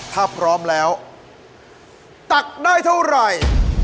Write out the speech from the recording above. ถ้าพร้อมแล้วตักได้เท่าไหร่